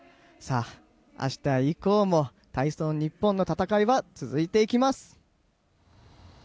明日以降も体操日本の戦いは続いていきます。